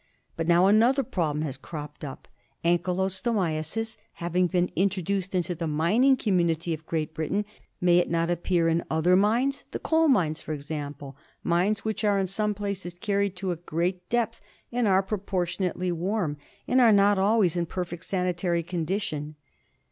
But now another problem has cropped up. Ankylostomiasis having been introduced into the mining community of Great Britain, may it not appear in other mines, the coal mines, for example, mines which are in some places carried to a great depth, and are proportionately warm and are not always in perfect sanitary condition